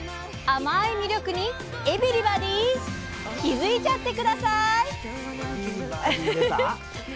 甘い魅力に「エビ」リバディー気付いちゃって下さい！